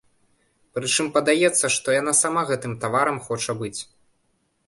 Прычым падаецца, што яна сама гэтым таварам хоча быць.